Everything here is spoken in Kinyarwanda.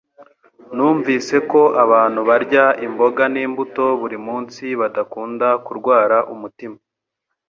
Numvise ko abantu barya imboga n'imbuto buri munsi badakunda kurwara umutima